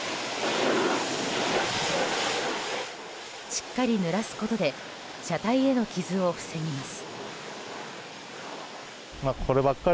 しっかり、ぬらすことで車体への傷を防ぎます。